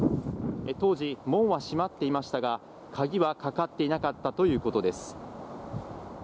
当時、門は閉まっていましたが鍵はかかっていなかったということです。